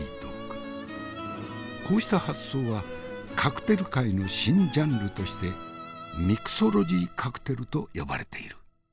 こうした発想はカクテル界の新ジャンルとしてミクソロジーカクテルと呼ばれている。